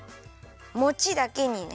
もちだけにね。